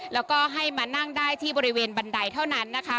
แล้วก็ให้มานั่งได้ที่บริเวณบันไดเท่านั้นนะคะ